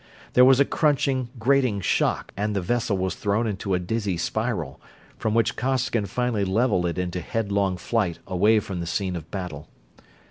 There was a crunching, grating shock and the vessel was thrown into a dizzy spiral, from which Costigan finally leveled it into headlong flight away from the scene of battle.